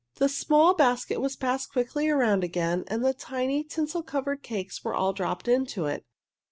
The small basket was passed quickly around again and the tiny tinsel covered cakes were all dropped into it.